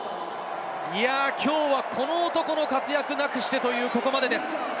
きょうはこの男の活躍なくしてというここまでです。